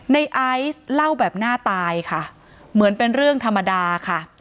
ไอซ์เล่าแบบหน้าตายค่ะเหมือนเป็นเรื่องธรรมดาค่ะ